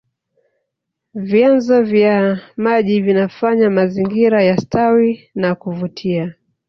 vyanzo vya maji vinafanya mazingira yastawi na kuvutia